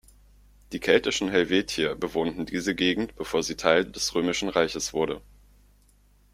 Die keltischen Helvetier bewohnten diese Gegend bevor sie Teil des römischen Reiches wurde.